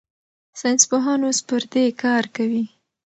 ساینسپوهان اوس پر دې کار کوي.